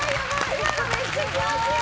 今のめっちゃ気持ちいい！